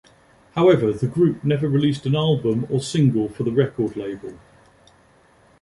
However, the group never released an album or single for the record label.